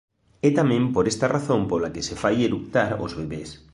É tamén por esta razón pola que se fai eructar aos bebés.